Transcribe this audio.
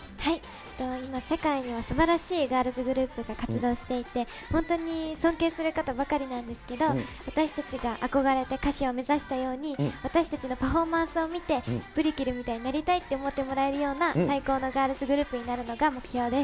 今、世界にはすばらしいガールズグループが活動していて、本当に尊敬する方ばかりなんですけど、私たちが憧れて歌手を目指したように、私たちのパフォーマンスを見て、プリキルみたいになりたいって思ってもらえるような、最高のガーなるほど。